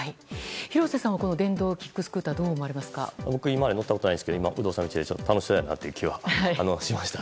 廣瀬さんはこの電動キックスケーター今まで乗ったことないですけど今、有働さんのを見て試したいなという気がしました。